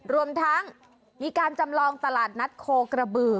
รวมทั้งมีการจำลองตลาดนัดโคกระบือ